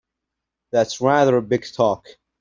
That's rather big talk!